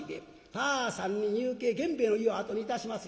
さあ３人夕景源兵衛の家を後にいたします。